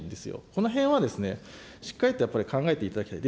このへんはしっかりとやっぱり考えていただきたい。